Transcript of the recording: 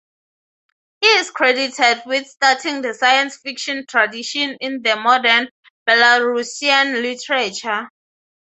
He is credited with starting the science fiction tradition in the modern Belarusian literature.